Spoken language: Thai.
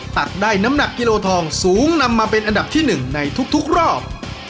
ตักได้น้ำหนักกิโลทองสูงนำมาเป็นอันดับที่๑ในทุกรอบ